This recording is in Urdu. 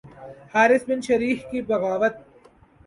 حارث بن شریح کی بغاوت